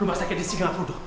rumah sakit di singapura